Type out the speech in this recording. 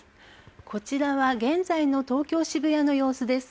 こちらは現在の東京・渋谷の様子です。